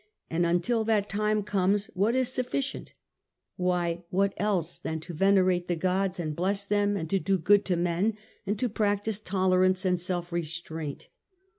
And until that time comes, what is sufficient ? Why, what else than to venerate the gods and bless them, and to do good to men, and to practise tolerance and self restraint.